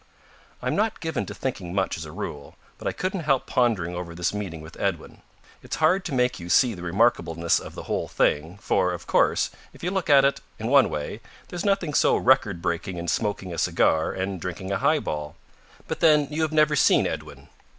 I'm not given to thinking much as a rule, but I couldn't help pondering over this meeting with Edwin. It's hard to make you see the remarkableness of the whole thing, for, of course, if you look at it, in one way, there's nothing so record breaking in smoking a cigar and drinking a highball. But then you have never seen Edwin.